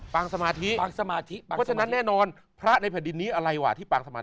สมาธิปางสมาธิเพราะฉะนั้นแน่นอนพระในแผ่นดินนี้อะไรวะที่ปางสมา